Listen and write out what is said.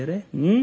ん。